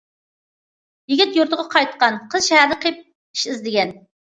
يىگىت يۇرتىغا قايتقان، قىز شەھەردە قېلىپ ئىش ئىزدىگەن.